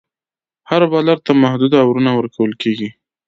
هر بالر ته محدود اوورونه ورکول کیږي.